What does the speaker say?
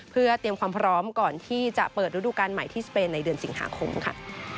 เพื่อเตรียมความพร้อมก่อนที่จะเปิดฤดูการใหม่ที่สเปนในเดือนสิงหาคมค่ะ